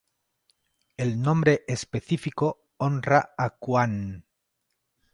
El nombre específico honra a Kuan.